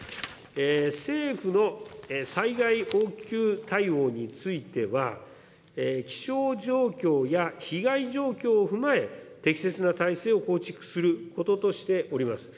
政府の災害応急対応については、気象状況や被害状況を踏まえ、適切な体制を構築することとしております。